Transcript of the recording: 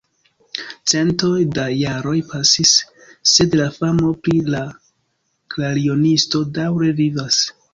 Centoj da jaroj pasis, sed la famo pri la klarionisto daŭre vivas.